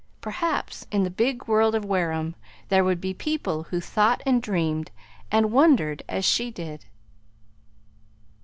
Perhaps in the big world of Wareham there would be people who thought and dreamed and wondered as she did.